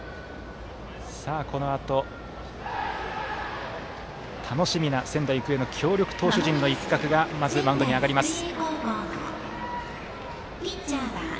このあと楽しみな仙台育英の強力投手陣の一角がまず、マウンドに上がります。